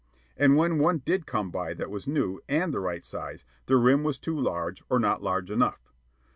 And when one did come by that was new and the right size, the rim was too large or not large enough.